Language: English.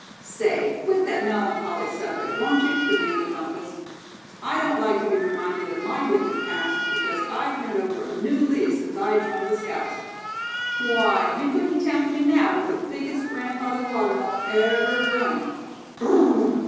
"Say, quit that melancholy subject, won't you?" demanded Bumpus. "I don't like to be reminded of my wicked past, because I've turned over a new leaf since I joined the scouts. Why, you couldn't tempt me now with the biggest grandfather watermelon ever grown.